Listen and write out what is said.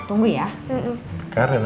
tak dua kali